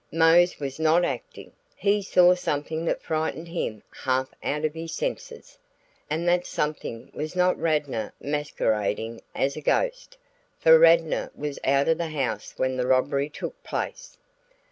"Mose was not acting; he saw something that frightened him half out of his senses. And that something was not Radnor masquerading as a ghost, for Radnor was out of the house when the robbery took place."